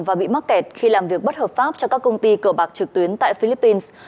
và bị mắc kẹt khi làm việc bất hợp pháp cho các công ty cờ bạc trực tuyến tại philippines